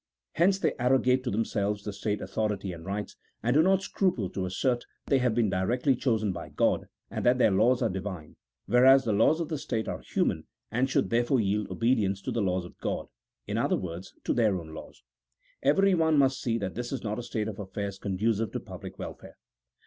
Hence they arrogate to themselves the state authority and rights, and do not scruple to assei't that they have been directly chosen by G od, and that their laws are Divine, whereas the laws of the state are human, and should therefore yield obedience to the laws of G od — in other words, to their own laws. Everyone must see that this is not a state of affairs conducive to public welfare.